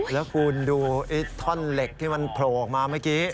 แล้วคุณดูท่อนเหล็กที่มันโผล่ออกมาเมื่อกี้